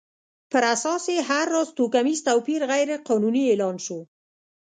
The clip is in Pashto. پر اساس یې هر راز توکمیز توپیر غیر قانوني اعلان شو.